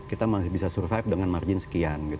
kita masih bisa survive dengan margin sekian